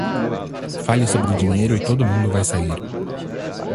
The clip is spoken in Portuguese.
Fale sobre dinheiro e todo mundo vai sair.